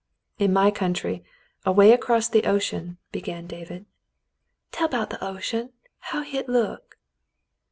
"In my country, away across the ocean —" began David. "Tell 'bout th' ocean, how hit look."